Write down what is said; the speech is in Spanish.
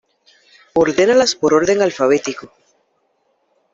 Ordénalas por orden alfabético.